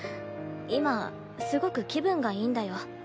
今すごく気分がいいんだよ。